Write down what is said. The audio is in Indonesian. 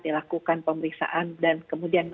dilakukan pemeriksaan dan kemudian